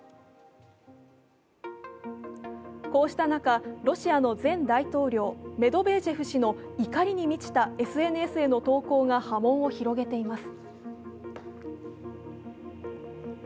こうした中、ロシアの前大統領、メドベージェフ氏の怒りに満ちたＳＮＳへの投稿が波紋を広げています。